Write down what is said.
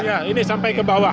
ya ini sampai ke bawah